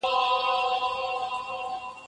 هغه د ليک لوست ارزښت بيانوه.